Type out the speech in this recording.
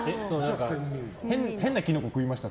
変なキノコ食いました？